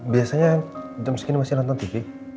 biasanya jam segini masih nonton tv